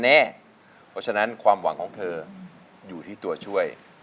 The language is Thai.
เพราะฉะนั้นความหวังของเธออยู่ที่ตัวช่วย